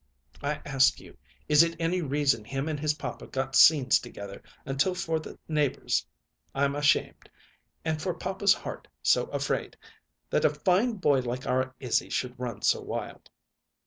I ask you, is it any reason him and his papa got scenes together until for the neighbors I'm ashamed, and for papa's heart so afraid? That a fine boy like our Izzy should run so wild!"